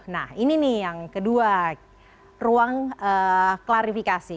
nah ini nih yang kedua ruang klarifikasi